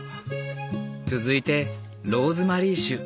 続いてローズマリー酒。